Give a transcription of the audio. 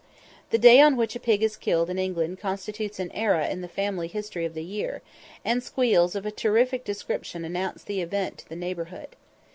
The day on which a pig is killed in England constitutes an era in the family history of the year, and squeals of a terrific description announce the event to the neighbourhood.